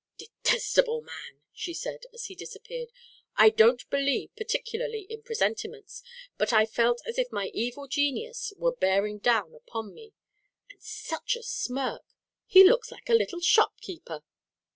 "Detestable man!" she said, as he disappeared. "I don't believe particularly in presentiments, but I felt as if my evil genius were bearing down upon me. And such a smirk! He looks like a little shop keeper."